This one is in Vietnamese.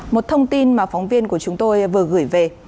một thông tin mà phóng viên của chúng tôi vừa gửi về